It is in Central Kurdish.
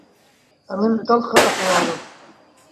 ئەمن تەڵخە ئەحوالم